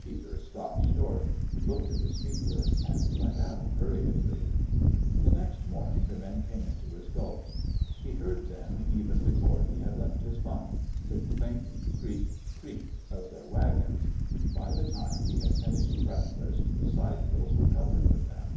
Peter stopped short, looked at the speaker, and went out hurriedly. The next morning the men came into his gulch. He heard them even before he had left his bunk the clink, creak, creak! of their wagons. By the time he had finished breakfast the side hills were covered with them.